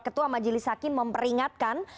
ketua majelis hakim memperingatkan